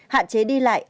hạn chế đi lại